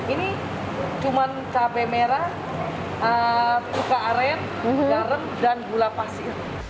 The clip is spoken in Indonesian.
ini cuma cabai merah cuka aren garam dan gula pasir